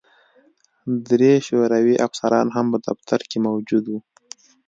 درې شوروي افسران هم په دفتر کې موجود وو